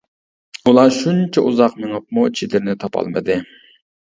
ئۇلار شۇنچە ئۇزاق مېڭىپمۇ، چېدىرنى تاپالمىدى.